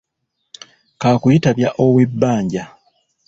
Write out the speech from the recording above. Kakuyitabya ow'ebbanja.